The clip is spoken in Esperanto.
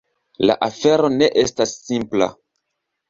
La afero ne estas simpla.